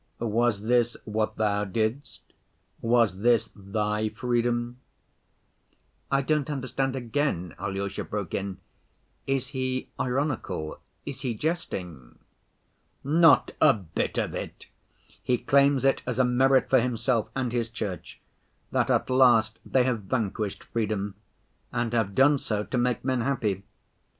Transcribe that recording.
Was this what Thou didst? Was this Thy freedom?' " "I don't understand again," Alyosha broke in. "Is he ironical, is he jesting?" "Not a bit of it! He claims it as a merit for himself and his Church that at last they have vanquished freedom and have done so to make men happy.